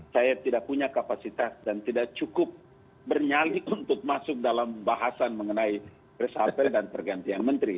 saya tidak punya kapasitas dan tidak cukup bernyali untuk masuk dalam bahasan mengenai resapel dan pergantian menteri